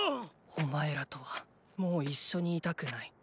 お前らとはもう一緒にいたくない。